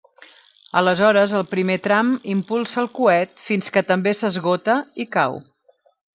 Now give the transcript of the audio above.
Aleshores el primer tram impulsa el coet fins que també s'esgota i cau.